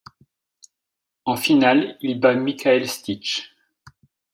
En finale, il bat Michael Stich.